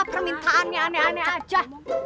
permintaannya aneh aneh aja